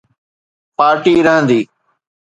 Party رهندي.